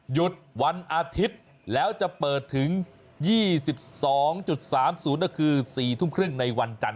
หยุดวันอาทิตย์แล้วจะเปิดถึง๒๒๓๐ก็คือ๔ทุ่มครึ่งในวันจันทร์